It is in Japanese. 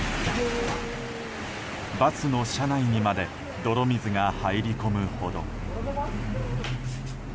バスの車内にまで泥水が入り込むほど。